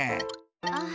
ああ